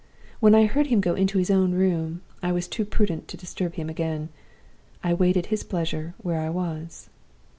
When I heard him go into his own room, I was too prudent to disturb him again: I waited his pleasure where I was.